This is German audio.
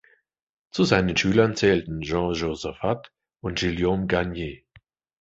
Zu seinen Schülern zählten Jean-Josaphat und Guillaume Gagnier.